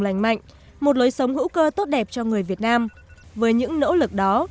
lành mạnh một lối sống hữu cơ tốt đẹp cho người việt nam với những nỗ lực đó